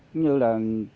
giống như là